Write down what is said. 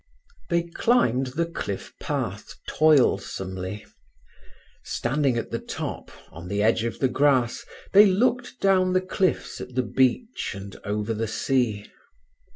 They climbed the cliff path toilsomely. Standing at the top, on the edge of the grass, they looked down the cliffs at the beach and over the sea.